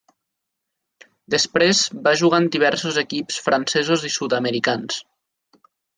Després, va jugar en diversos equips francesos i sud-americans.